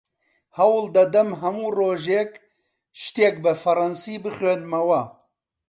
هەوڵ دەدەم هەموو ڕۆژێک شتێک بە فەڕەنسی بخوێنمەوە.